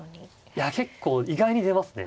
いや結構意外に出ますね。